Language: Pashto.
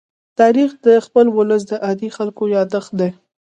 تاریخ د خپل ولس د عادي خلکو يادښت دی.